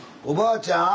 おばあちゃん。